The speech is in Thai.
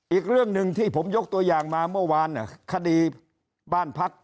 อีกเรื่องหนึ่งที่ผมยกตัวอย่างมาเมื่อวานคดีบ้านพัก